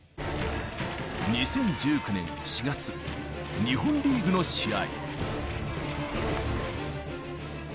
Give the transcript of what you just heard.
２０１９年４月、日本リーグの試合。